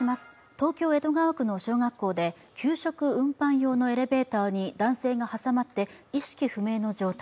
東京・江戸川区の小学校で給食運搬用のエレベーターに男性が挟まって、意識不明の状態。